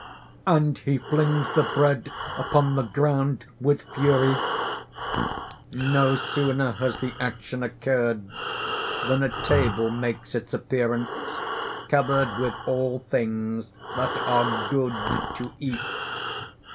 (And he flings the bread upon the ground with fury. _No sooner has the action occurred than a table makes its appearance, covered with all things that are good to eat.